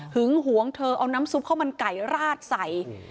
หวงเธอเอาน้ำซุปข้าวมันไก่ราดใส่